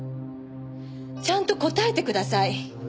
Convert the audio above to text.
ちゃんと答えてください。